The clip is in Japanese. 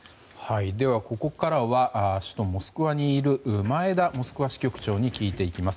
では、ここからは首都モスクワにいる前田モスクワ支局長に聞いていきます。